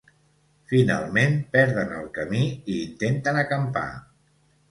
Finalment, perden el camí i intenten acampar.